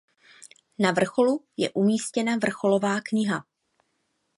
Na vrcholu je umístěna vrcholová kniha.